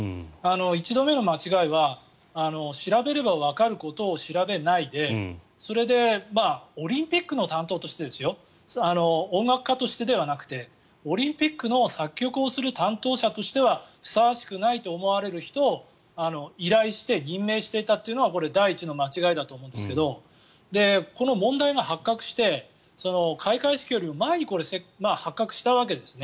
１度目の間違いは調べればわかることを調べないでそれでオリンピックの担当として音楽家としてではなくてオリンピックの作曲をする担当者としてはふさわしくないと思われる方を依頼して任命していたというのはこれは第１の間違いだと思うんですけどこの問題が発覚して開会式よりも前にこれが発覚したわけですね。